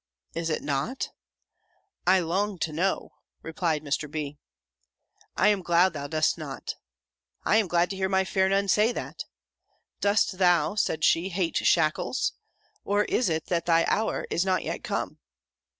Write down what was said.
'Is it not?' 'I long to know,'" replied Mr. B. "I am glad thou dost not." "I am glad to hear my fair Nun say that." "Dost thou," said she, "hate shackles? Or is it, that thy hour is not yet come?"